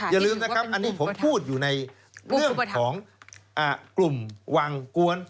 อย่าลืมนะครับอันนี้ผมพูดอยู่ในเรื่องของกลุ่มวังกวน